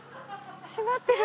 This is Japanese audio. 閉まってる。